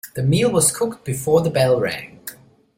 The meal was cooked before the bell rang.